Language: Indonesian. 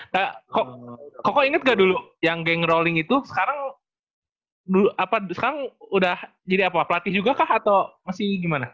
nah koko inget gak dulu yang geng rolling itu sekarang udah jadi apa pelatih juga kah atau masih gimana